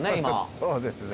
そうですね